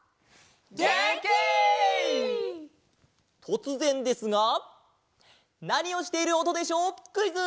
とつぜんですがなにをしているおとでしょうクイズ！